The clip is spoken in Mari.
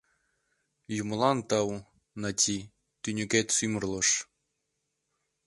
Юмылан тау, Нати, тӱньыкет сӱмырлыш!